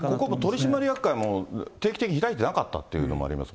取締役会も定期的に開いてなかったということもあります